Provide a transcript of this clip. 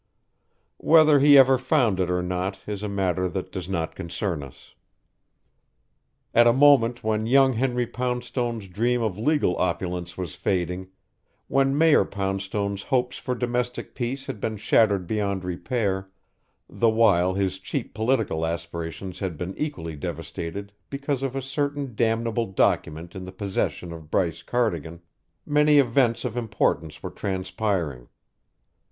Whether he ever found it or not is a matter that does not concern us. At a moment when young Henry Poundstone's dream of legal opulence was fading, when Mayor Poundstone's hopes for domestic peace had been shattered beyond repair, the while his cheap political aspirations had been equally devastated because of a certain damnable document in the possession of Bryce Cardigan, many events of importance were transpiring.